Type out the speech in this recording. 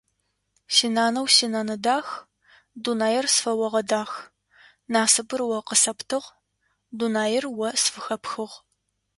Синанэу синэнэ дах, дунаир сфэогъэдах, насыпыр о къысэптыгъ, дунаир о сфыхэпхыгъ.